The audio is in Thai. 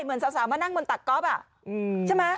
เหมือนสาวมานั่งบนตักก๊อฟใช่ไหม